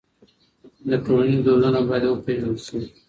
د ټولني دودونه بايد وپېژندل سي.